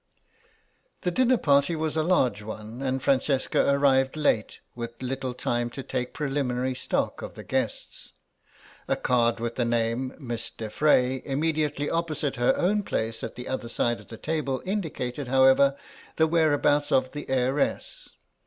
The dinner party was a large one and Francesca arrived late with little time to take preliminary stock of the guests; a card with the name, "Miss de Frey," immediately opposite her own place at the other side of the table, indicated, however, the whereabouts of the heiress.